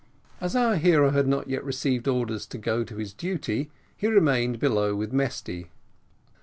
As our hero had not yet received orders to go to his duty, he remained below with Mesty.